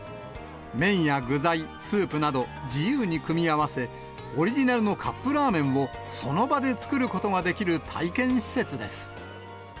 麺や具材、スープなど、自由に組み合わせ、オリジナルのカップラーメンをその場で作ることができる体験施設です。